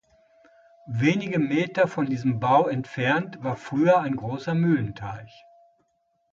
Wenige Meter von diesem Bau entfernt war früher ein großer Mühlenteich.